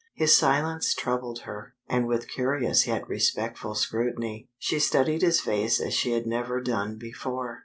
His silence troubled her, and with curious yet respectful scrutiny, she studied his face as she had never done before.